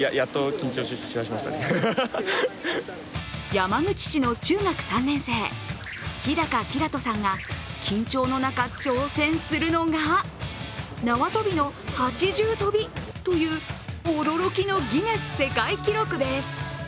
山口市の中学３年生、日高煌人さんが緊張の中、挑戦するのが縄跳びの８重跳びという驚きのギネス世界記録です。